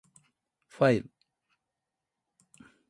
ファイル